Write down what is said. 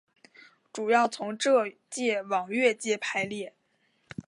主要从浙界往粤界排列。